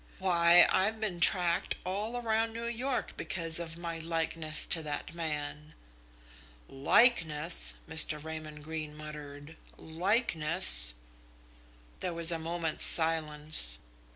Why, I've been tracked all round New York because of my likeness to that man." "Likeness!" Mr. Raymond Greene muttered. "Likeness!" There was a moment's silence.